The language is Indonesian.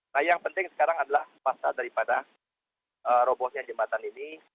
nah yang penting sekarang adalah masa daripada robohnya jembatan ini